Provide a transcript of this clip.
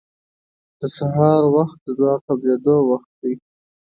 د سحر وخت د دعا قبلېدو وخت دی.